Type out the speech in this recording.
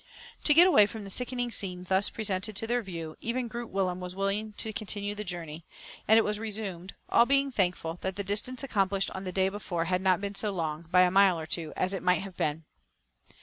To get away from the sickening scene thus presented to their view, even Groot Willem was willing to continue the journey; and it was resumed, all being thankful that the distance accomplished on the day before had not been so long, by a mile or two, as it might have been.